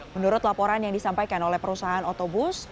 menurut laporan yang disampaikan oleh perusahaan otobus